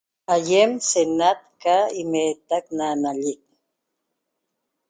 Aýem senat ca imeetac na nallec